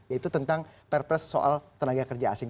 yaitu tentang perpres soal tenaga kerja asing